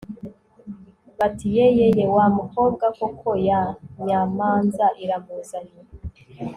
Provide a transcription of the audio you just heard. bati 'ye ye ye!' wa mukobwa koko ya nyamanza iramuzanye